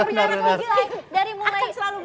enggak kan punya anak lagi lah